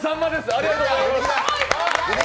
ありがとうございます！